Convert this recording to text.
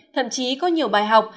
thậm chí có nhiều bài học